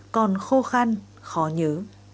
còn khô khan khó nhớ